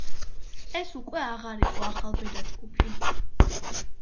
ეს უკვე აღარ იყო ახალბედა ჯგუფი.